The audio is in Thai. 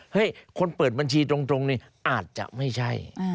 คนเปิดบัญชีตรงนี้อาจจะไม่ใช่